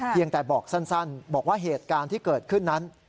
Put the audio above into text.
เพียงแต่บอกสั้นบอกว่าเหตุการณ์ที่เกิดขึ้นนั้น